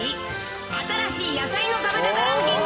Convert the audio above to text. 新しい野菜の食べ方ランキング。